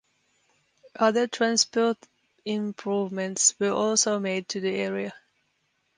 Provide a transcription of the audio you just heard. Other transport improvements were also made to the area.